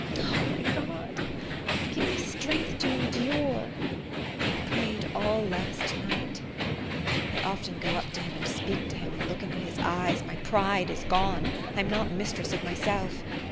Oh, my God! Give me strength to endure. I prayed all last night. I often go up to him and speak to him and look into his eyes. My pride is gone. I am not mistress of myself.